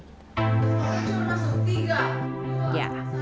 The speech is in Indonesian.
membangun daerah kita sendiri